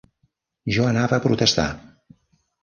Jo anava a protestar.